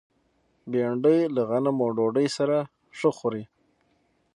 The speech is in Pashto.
بېنډۍ له غنمو ډوډۍ سره ښه خوري